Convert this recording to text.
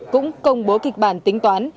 cũng công bố kịch bản tính toán